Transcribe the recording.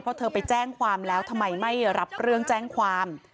เพราะเธอไปแจ้งความแล้วทำไมไม่รับเรื่องแจ้งความ